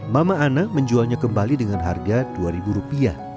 mama ana menjualnya kembali dengan harga rp dua